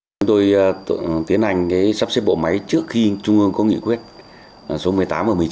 chúng tôi tiến hành sắp xếp bộ máy trước khi trung ương có nghị quyết số một mươi tám một mươi chín